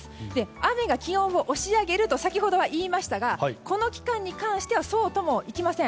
雨が気温を押し上げると先ほどは言いましたがこの期間に関してはそうともいきません。